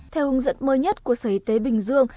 theo hướng dẫn mới nhất của sở y tế bình dương